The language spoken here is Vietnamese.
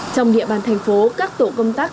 trong địa bàn thành phố các tổ công tác